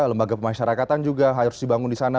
lembaga pemasyarakatan juga harus dibangun di sana